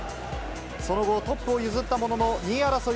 その後、トップを譲ったものの、２位争い